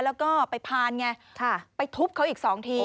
แล้วก็ไปพานไงไปทุบเขาอีก๒ที